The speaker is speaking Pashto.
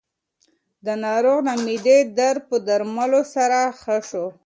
د ناروغ د معدې درد په درملو سره ښه شو.